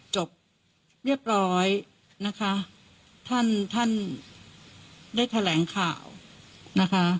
จบเรียบร้อยนะคะท่านท่านได้แถลงข่าวนะคะ